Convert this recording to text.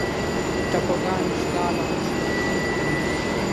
ټاپوګان اشغال او مستحکم کړي.